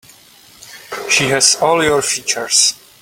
She has all your features.